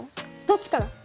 どっちから？